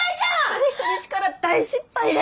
はい初日から大失敗で。